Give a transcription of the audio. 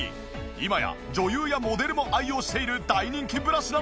今や女優やモデルも愛用している大人気ブラシなんです！